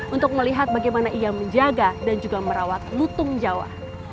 untuk melihat bagaimana ia menjaga dan juga merawat lutung jawa